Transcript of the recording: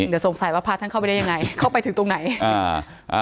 เดี๋ยวสงสัยว่าพระท่านเข้าไปได้ยังไงเข้าไปถึงตรงไหนอ่าอ่า